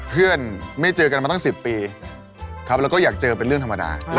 คุณจะทำอย่างไร